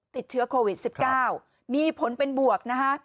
ติดเชื้อโควิด๑๙มีผลเป็นบวกนะคะ